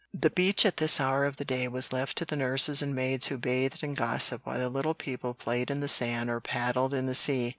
The beach at this hour of the day was left to the nurses and maids who bathed and gossiped while the little people played in the sand or paddled in the sea.